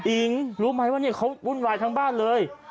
อิ๋งรู้ไหมว่าเนี่ยเขาวุ่นวายทั้งบ้านเลย